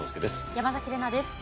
山崎怜奈です。